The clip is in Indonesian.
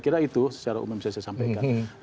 dan itu secara umum saya bisa sampaikan